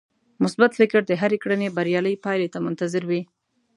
مثبت فکر د هرې کړنې بريالۍ پايلې ته منتظر وي.